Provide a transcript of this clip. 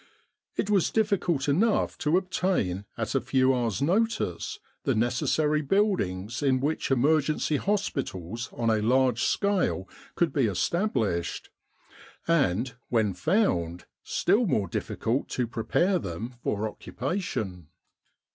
It was difficult enough to obtain at a few hours' notice the necessary buildings in which emergency hospitals on a large scale could be established, and, when found, still more difficult to prepare them for occupation.